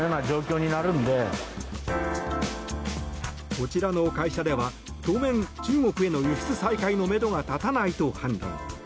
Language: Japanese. こちらの会社では当面、中国への輸出再開のめどが立たないと判断。